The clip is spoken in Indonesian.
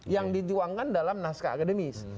yang dituangkan dalam naskah akademis